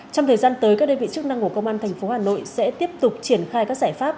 trong thời gian tới các đơn vị chức năng của công an tp hà nội sẽ tiếp tục triển khai các giải pháp